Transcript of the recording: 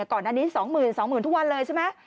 ก่อนด้านนี้๒๐๐๐๐๒๐๐๐๐ทุกวันเลยใช่ไหม